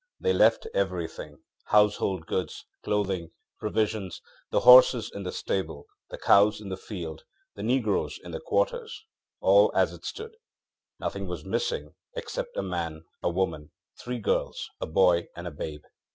They left everythingŌĆöhousehold goods, clothing, provisions, the horses in the stable, the cows in the field, the negroes in the quartersŌĆöall as it stood; nothing was missingŌĆöexcept a man, a woman, three girls, a boy and a babe!